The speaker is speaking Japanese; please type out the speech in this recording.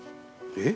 えっ？